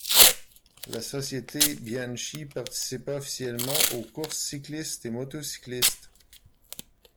La société Bianchi participa officiellement aux courses cyclistes et motocyclistes.